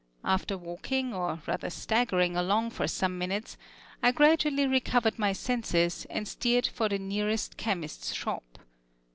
After walking or rather staggering along for some minutes, I gradually recovered my senses and steered for the nearest chemist's shop.